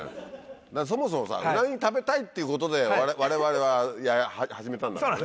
そもそもウナギ食べたいっていうことで我々は始めたんだからね。